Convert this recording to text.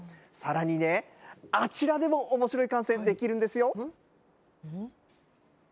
さらにね、あちらでもおもしろい観戦できるんですよ。